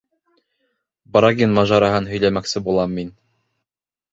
Брагин мажараһын һөйләмәксе булам мин...